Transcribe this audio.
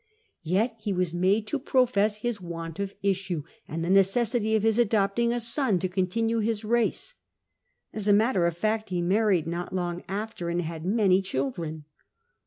Yet lie was made to profess his want of issue, and the neces sity of his adopting a son to continue his race 1 (As a matter of fact he married not long after, and had many children.)